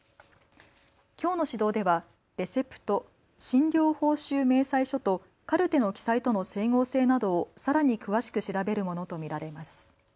きょうの指導ではレセプト・診療報酬明細書とカルテの記載との整合性などをさらに詳しく調べるものと見られます。